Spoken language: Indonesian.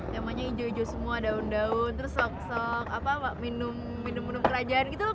temanya ijo ijo semua daun daun terus sok sok minum minum kerajaan gitu lho